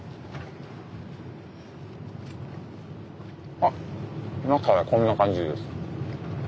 あっ中はこんな感じです。